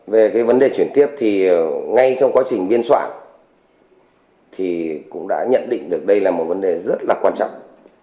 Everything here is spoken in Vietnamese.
về cái vấn đề chuyển tiếp thì ngay trong quá trình biên soạn thì cũng đã nhận định được đây là một vấn đề rất là quan trọng